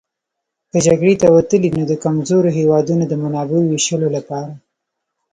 که جګړې ته وتلي دي نو د کمزورو هېوادونو د منابعو وېشلو لپاره.